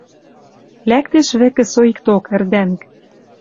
Лӓктеш вӹкӹ соикток, ӹрдӓнг.